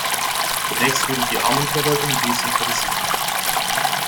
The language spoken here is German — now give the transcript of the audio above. Zunächst wurde die Armenverwaltung dezentralisiert.